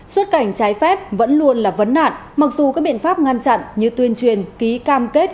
xuất cảnh trái phép vẫn luôn là vấn nạn mặc dù các biện pháp ngăn chặn như tuyên truyền ký cam kết